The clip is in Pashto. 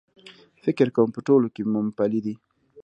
فکر کوم په ټولو کې مومپلي دي.H